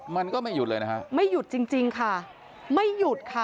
มันก็ไม่หยุดเลยนะฮะไม่หยุดจริงจริงค่ะไม่หยุดค่ะ